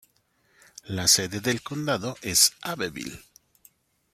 La sede del condado es Abbeville.